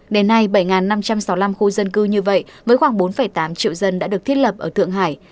đến nay bảy năm trăm sáu mươi năm khu dân cư như vậy với khoảng bốn tám triệu dân đã được thiết lập ở thượng hải